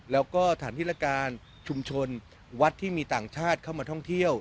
แล้วก็ฐานธิรการชุมชนวัดที่มีต่างชาติเข้ามาท่องเที่ยว